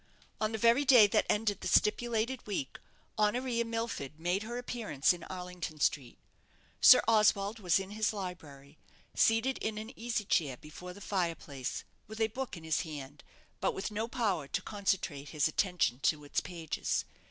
On the very day that ended the stipulated week, Honoria Milford made her appearance in Arlington Street. Sir Oswald was in his library, seated in an easy chair before the fire place, with a book in his hand, but with no power to concentrate his attention to its pages.